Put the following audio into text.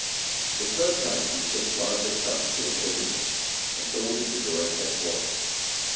The third time he shook one of his sons to awaken him, and told him to go and fetch water.